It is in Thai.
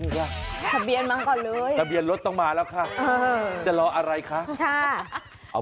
ทะเบียนมาก่อนเลยทะเบียนรถต้องมาแล้วค่ะจะรออะไรคะ